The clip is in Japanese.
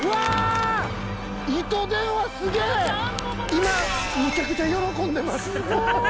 今めちゃくちゃ喜んでます！